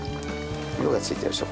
色が付いてるでしょ？